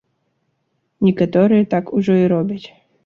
Некаторыя так ужо і робяць.